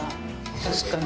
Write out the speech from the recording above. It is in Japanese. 確かに。